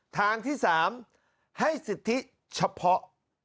ทางที่๓ให้สิทธิเฉพาะ